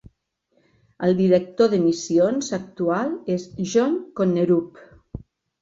El director de missions actual és Jon Konnerup.